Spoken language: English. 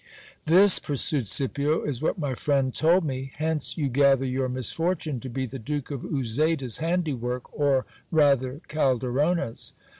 This, pursued Scipio, is what my friend told me. Hence, you gather your misfortune to be the Duke of Uzeda's handiwork, or rather Calderona's.